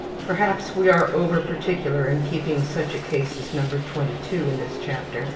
Perhaps we are over particular in keeping such a case as No. 22 in this chapter.